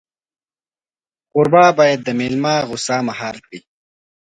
کوربه باید د مېلمه غوسه مهار کړي.